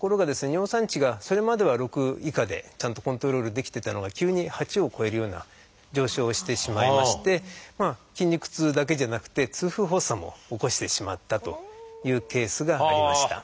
尿酸値がそれまでは６以下でちゃんとコントロールできてたのが急に８を超えるような上昇をしてしまいまして筋肉痛だけじゃなくて痛風発作も起こしてしまったというケースがありました。